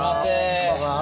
こんばんは。